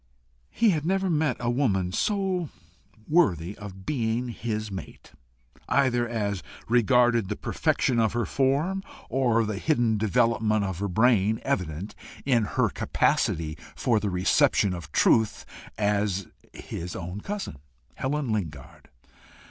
He had never met woman so worthy of being his mate, either as regarded the perfection of her form, or the hidden development of her brain evident in her capacity for the reception of truth, as his own cousin, Helen Lingard.